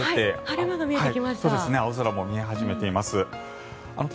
晴れ間が見えてきました。